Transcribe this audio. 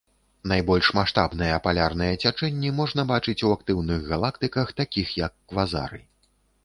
Найбольш маштабныя палярныя цячэнні можна бачыць у актыўных галактыках, такіх як квазары.